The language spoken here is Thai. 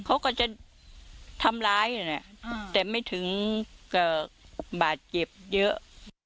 เขาก็จะทำร้ายแต่ไม่ถึงกับบาดเจ็บเยอะ